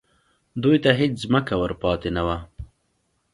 دوی ته هېڅ ځمکه ور پاتې نه وه